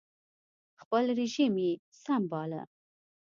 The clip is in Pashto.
خپل رژیم یې سم باله